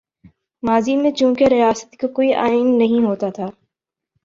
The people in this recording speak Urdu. ماضی میں چونکہ ریاست کا کوئی آئین نہیں ہوتا تھا۔